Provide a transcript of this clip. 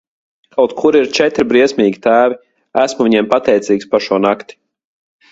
Kaut kur ir četri briesmīgi tēvi, esmu viņiem pateicīgs par šo nakti.